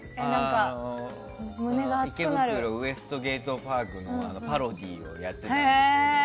「池袋ウエストゲートパーク」のパロディーをやってたんですよ。